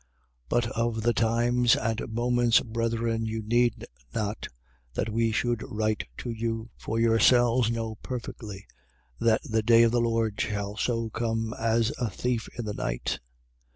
5:1. But of the times and moments, brethren, you need not, that we should write to you: 5:2. For yourselves know perfectly that the day of the Lord shall so come as a thief in the night.